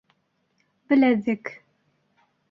Беләҙек...